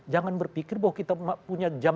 jangan berpikir bahwa kita punya jam